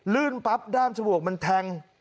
ลื่นปั๊บด้ามชั่วโหมกมันแทง